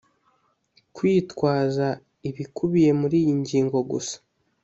kwitwaza ibikubiye muri iyi ngingo gusa